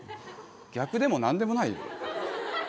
逆でも何でもないよ。